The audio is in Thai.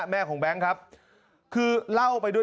แม่ของแบงค์ครับคือเล่าไปด้วย